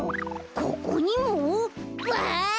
ここにも？わい！